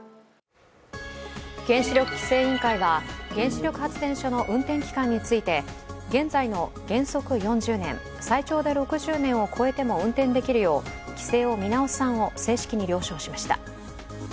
原子力規制委員会は原子力発電所の運転期間について現在の原則４０年、最長で６０年を超えても運転できるよう規制を見直す案を正式に了承しました。